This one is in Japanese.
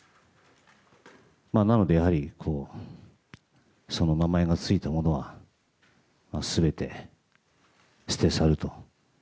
なので、やはりその名前が付いたものは全て捨て去ると。